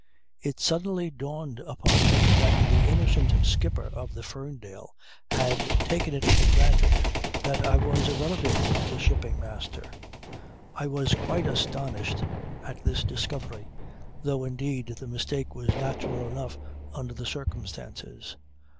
"It suddenly dawned upon me that the innocent skipper of the Ferndale had taken it for granted that I was a relative of the Shipping Master! I was quite astonished at this discovery, though indeed the mistake was natural enough under the circumstances.